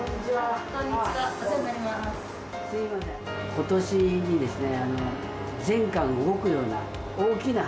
今年にですね